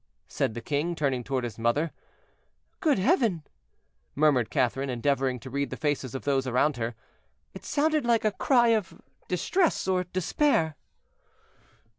said the king, turning toward his mother. "Great Heaven!" murmured Catherine, endeavoring to read the faces of those around her, "it sounded like a cry of distress or despair."